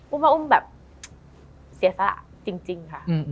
ว่าอุ้มแบบเสียสละจริงค่ะ